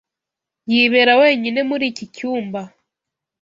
Yibera wenyine muri iki cyumba.